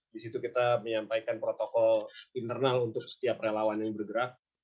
di situ kita menyampaikan protokol internal untuk setiap relawan yang bergerak